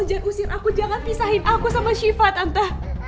jangan pisahin aku sama shiva tante